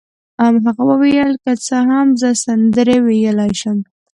هغه وویل: که څه هم زه سندرې ویلای شم.